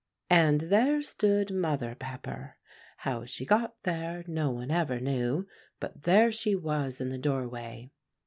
And there stood Mother Pepper; how she got there, no one ever knew, but there she was in the doorway.